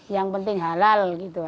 yang penting halal gitu